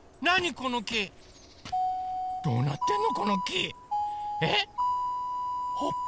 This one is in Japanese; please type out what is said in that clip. これどうなってんの？